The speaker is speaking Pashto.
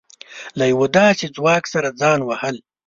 له يوه داسې ځواک سره ځان وهل.